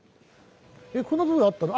えっこんな所にあったの？